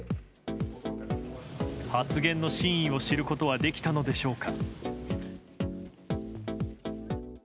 発言の真意を知ることはできたのでしょうか。